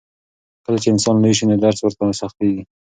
کله چې انسان لوی شي نو درس ورته سختېږي.